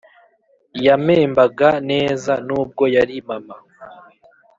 Yamembaga neza nubwo yari mama